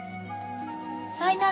さいなら。